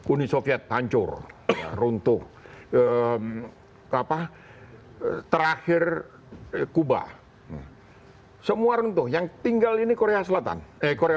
uni soviet hancur runtuh terakhir kuba semua runtuh yang tinggal ini korea utara